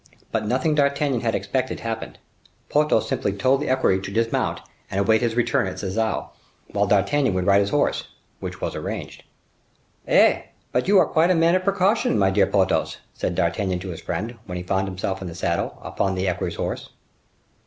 But nothing D'Artagnan had expected happened. Porthos simply told the equerry to dismount and await his return at Sarzeau, whilst D'Artagnan would ride his horse; which was arranged. "Eh! but you are quite a man of precaution, my dear Porthos," said D'Artagnan to his friend, when he found himself in the saddle, upon the equerry's horse.